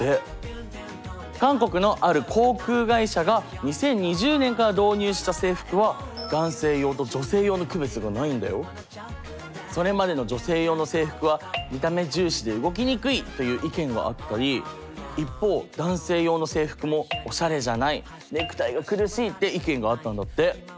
韓国のある航空会社が２０２０年から導入した制服はそれまでの女性用の制服は見た目重視で動きにくいという意見があったり一方男性用の制服もって意見があったんだって。